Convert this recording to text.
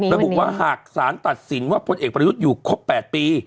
ระบุว่าหากสารตัดสินว่าพลเอกประยุทธ์อยู่ครบ๘ปี